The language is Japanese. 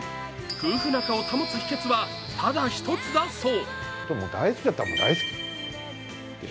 夫婦仲を保つ秘けつはただ一つだそう。